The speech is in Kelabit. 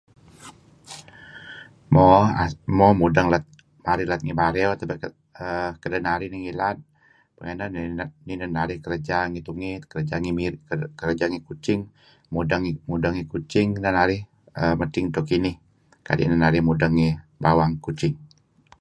Mo mudang lat narih lat ngi Bario kedinarih ngilad pangeh inah nih nah narih kerja ngi tungey kerja ngi Miri, kerja ngi Kuching kerja mudang ngi Kuching nah narih madting 'dto kinih. Kadi' nah narih mudeng ngi bawang Kuching.